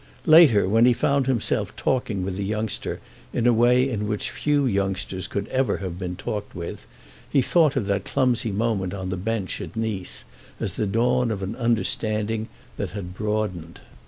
Later, when he found himself talking with the youngster in a way in which few youngsters could ever have been talked with, he thought of that clumsy moment on the bench at Nice as the dawn of an understanding that had broadened.